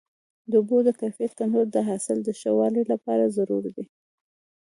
د اوبو د کیفیت کنټرول د حاصل د ښه والي لپاره ضروري دی.